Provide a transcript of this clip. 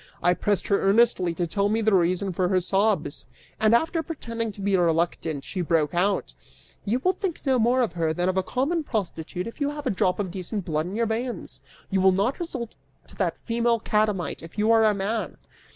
I pressed her earnestly to tell me the reason for her sobs) {and after pretending to be reluctant she broke out:} "You will think no more of her than of a common prostitute if you have a drop of decent blood in your veins! You will not resort to that female catamite, if you are a man!"